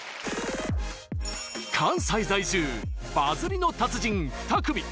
関西在住バズりの達人２組！